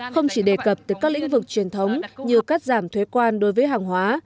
không chỉ đề cập tới các lĩnh vực truyền thống như cắt giảm thuế quan đối với hàng hóa